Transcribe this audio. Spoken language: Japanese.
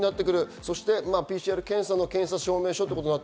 そしてＰＣＲ検査の検査証明書となる。